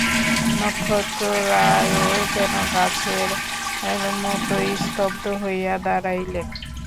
নক্ষত্ররায়ও যেন গাছের মতোই স্তব্ধ হইয়া দাঁড়াইলেন।